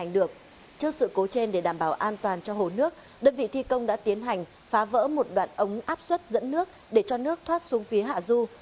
đơn vị thi công đã tiến hành phá vỡ một đoạn ống áp suất dẫn nước để cho nước thoát xuống phía hạ du